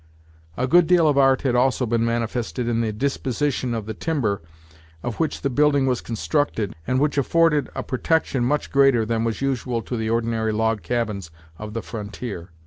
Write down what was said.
A good deal of art had also been manifested in the disposition of the timber of which the building was constructed and which afforded a protection much greater than was usual to the ordinary log cabins of the frontier.